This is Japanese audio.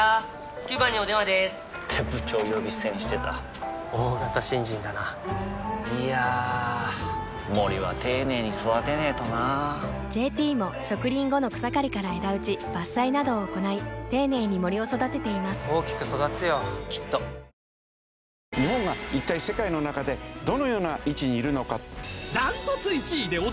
９番にお電話でーす！って部長呼び捨てにしてた大型新人だないやー森は丁寧に育てないとな「ＪＴ」も植林後の草刈りから枝打ち伐採などを行い丁寧に森を育てています大きく育つよきっと私はおこわが大好きです。